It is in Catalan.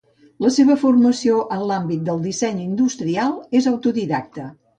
La seva formació en l'àmbit del disseny industrial és autodidacta.